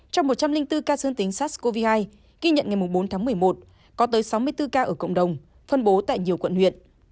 trong một trăm linh bốn ca dương tính sars cov hai ghi nhận ngày bốn tháng một mươi một có tới sáu mươi bốn ca ở cộng đồng phân bố tại nhiều quận huyện